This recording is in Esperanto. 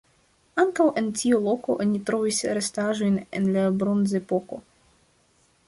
Ankaŭ en tiu loko oni trovis restaĵojn el la bronzepoko.